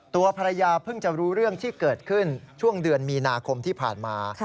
ตัวภรรยาเพิ่งจะรู้เรื่องที่เกิดขึ้นช่วงเดือนมีนาคมที่ผ่านมา